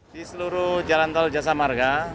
di seluruh jalan tol jasa marga